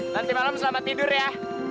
nanti malam selamat tidur ya